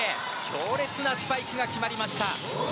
強烈なスパイクが決まりました。